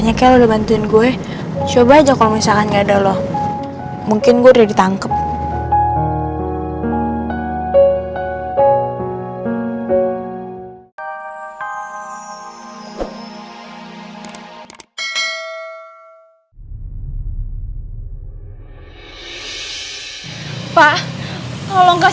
pak tolong kasih saya kerjaan apapun pak